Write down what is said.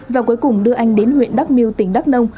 và cuối cùng đưa anh đến huyện đắk miêu tỉnh đắk nông